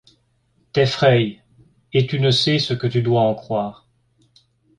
T’effraie, et tu ne sais ce que tu dois en croire.